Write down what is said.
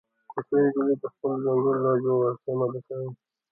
کوچنۍ نجلۍ په خپله ځانګړې لهجه وويل سمه ده صيب.